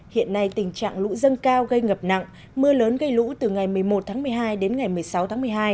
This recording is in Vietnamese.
hiện nay tình trạng lũ dâng cao gây ngập nặng mưa lớn gây lũ từ ngày một mươi một tháng một mươi hai đến ngày một mươi sáu tháng một mươi hai